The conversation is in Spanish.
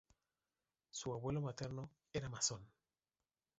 Su abuelo materno era masón.